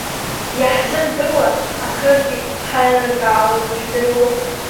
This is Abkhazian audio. Иаҳзымдыруа акыргьы ҳаилиркаауеит, жәдыруоу.